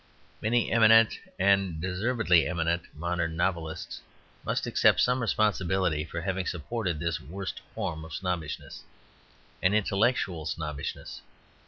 Many eminent, and deservedly eminent, modern novelists must accept some responsibility for having supported this worst form of snobbishness an intellectual snobbishness.